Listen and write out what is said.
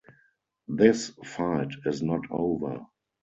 This fight is not over.